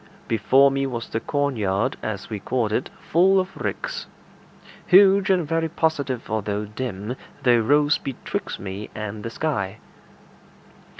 Before me was the cornyard, as we called it, full of ricks. Huge and very positive although dim, they rose betwixt me and the sky.